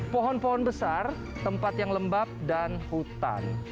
pohon pohon besar tempat yang lembab dan hutan